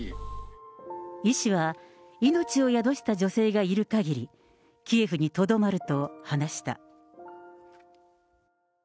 医師は、命を宿した女性がいるかぎり、キエフにとどまると話した。